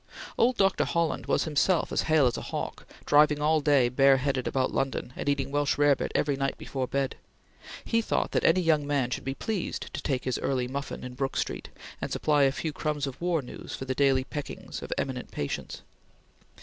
Old Dr. Holland was himself as hale as a hawk, driving all day bare headed about London, and eating Welsh rarebit every night before bed; he thought that any young man should be pleased to take his early muffin in Brook Street, and supply a few crumbs of war news for the daily peckings of eminent patients.